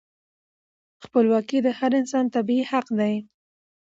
خپلواکي د هر انسان طبیعي حق دی.